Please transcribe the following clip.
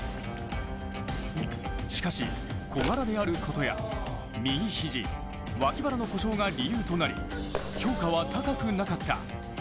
しかし、小柄であることや右肘、脇腹の故障が理由となり、評価は高くなかった。